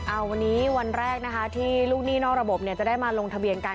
วันนี้วันแรกนะคะที่ลูกหนี้นอกระบบเนี่ยจะได้มาลงทะเบียนกัน